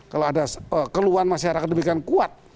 kalau ada keluhan masyarakat demikian kuat